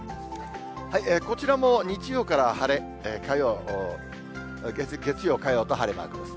こちらも日曜から晴れ、月曜、火曜と晴れマークです。